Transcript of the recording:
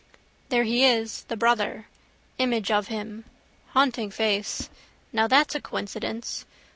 There he is: the brother. Image of him. Haunting face. Now that's a coincidence.